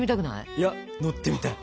いや乗ってみたい！